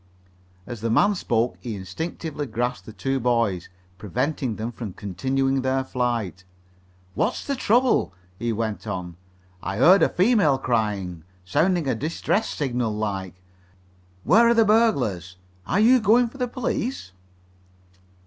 As the man spoke he instinctively grasped the two boys, preventing them from continuing their flight. "What's the trouble?" he went on. "I heard a female crying sounding a distress signal like. Where are the burglars? Are you going for the police?"